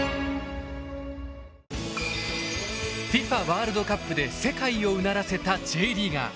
ワールドカップで世界をうならせたＪリーガー。